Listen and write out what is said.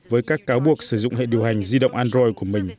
với các cáo buộc sử dụng hệ điều hành di động android của mình